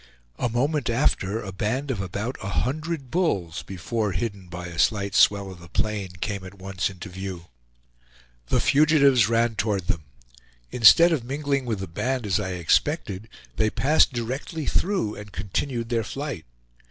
A moment after a band of about a hundred bulls, before hidden by a slight swell of the plain, came at once into view. The fugitives ran toward them. Instead of mingling with the band, as I expected, they passed directly through, and continued their flight.